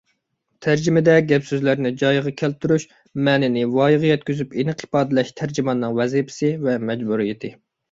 تەرجىمىدە گەپ - سۆزلەرنى جايىغا كەلتۈرۈش، مەنىنى ۋايىغا يەتكۈزۈپ ئېنىق ئىپادىلەش تەرجىماننىڭ ۋەزىپىسى ۋە مەجبۇرىيىتى.